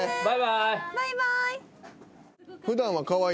バイバーイ。